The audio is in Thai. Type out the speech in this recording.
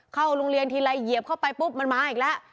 เข้าโรงเรียนทีไรเหยียบเข้าไปปุ๊บมันมาอีกแล้ว